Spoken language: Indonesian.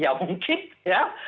ya mungkin ya